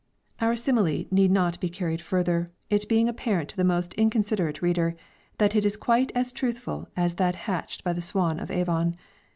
Our simile need not be carried further, it being apparent to the most inconsiderate reader, that it is quite as truthful as that hatched by the swan of Avon.